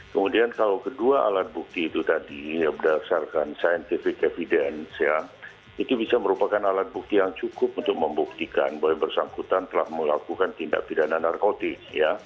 kemudian kalau kedua alat bukti itu tadi berdasarkan scientific evidence ya itu bisa merupakan alat bukti yang cukup untuk membuktikan bahwa bersangkutan telah melakukan tindak pidana narkotik ya